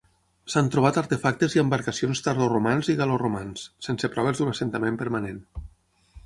S'han trobat artefactes i embarcacions tardoromans i gal·loromans, sense proves d'un assentament permanent.